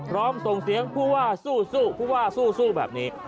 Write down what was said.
ร้องส่งเสียงภูวะสู้ภูวะสู้แบบนี้